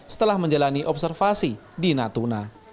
setelah menjalani observasi di natuna